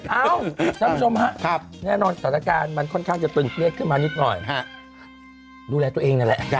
เอ้าท่านผู้ชมฮะแน่นอนสถานการณ์มันค่อนข้างจะตึงเครียดขึ้นมานิดหน่อยดูแลตัวเองนั่นแหละ